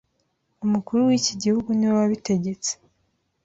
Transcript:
umukuru w'iki gihugu niwe wabitegetse.